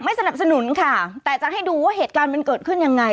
สนับสนุนค่ะแต่จะให้ดูว่าเหตุการณ์มันเกิดขึ้นยังไง